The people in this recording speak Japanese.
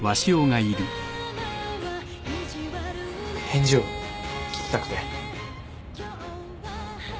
・・返事を聞きたくて。